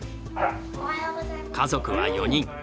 家族は４人。